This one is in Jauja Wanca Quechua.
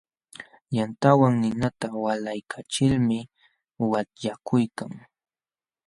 Yantawan ninata walaykachilmi watyakuykan.